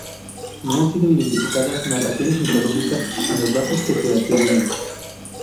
No han sido identificadas narraciones mitológicas en los vasos que se le atribuyen.